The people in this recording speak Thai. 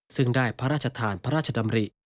ซึ่งได้พระราชทานพระราชดำริ